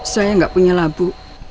saya gak punya labu